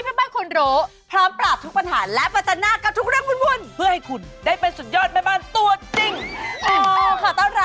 แม่ยังรู้ตัวว่าแม่เป็นไม้มาเป็นหลายเดือนแล้วค่ะ